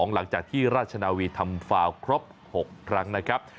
หลังจากที่ราชนาวีทำฟาวครบ๖ครั้งนะครับ